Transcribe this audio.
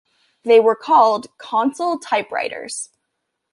They were called "console typewriters".